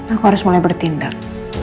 aku harus mulai bertindak